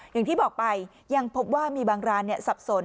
อย่างที่บอกไปยังพบว่ามีบางร้านสับสน